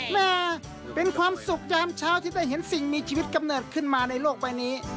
แม่เป็นความสุขยามเช้าที่ได้เห็นสิ่งมีชีวิตกำเนิดขึ้นมาในโลกใบนี้